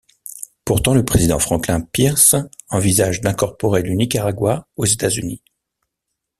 Pourtant, le président Franklin Pierce envisage d'incorporer le Nicaragua aux États-Unis.